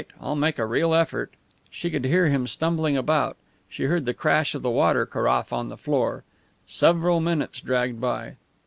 I'll make a real effort." She could hear him stumbling about. She heard the crash of the water carafe on the floor. Several minutes dragged by.